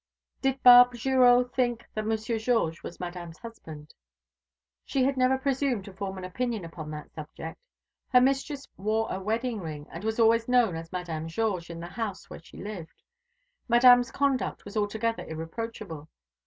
Did Barbe Girot think that Monsieur Georges was Madame's husband? She had never presumed to form an opinion upon that subject. Her mistress wore a wedding ring, and was always known as Madame Georges in the house where she lived. Madame's conduct was altogether irreproachable.